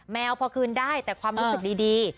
วพอคืนได้แต่ความรู้สึกดี